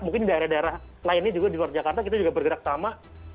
mungkin di daerah daerah lainnya juga di luar jakarta kita juga bergerak sama